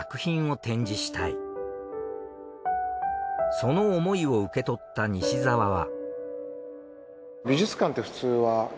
その思いを受け取った西沢は。